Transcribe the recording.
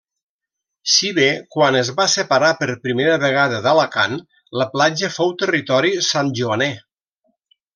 Si bé quan es va separar per primera vegada d'Alacant, la platja fou territori santjoaner.